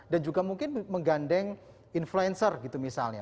dan juga mungkin menggandeng influencer gitu misalnya